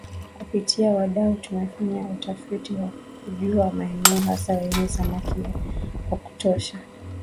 Kupitia wadau tumefanya utafiti wa kujua maeneo hasa yenye samaki wa kutosha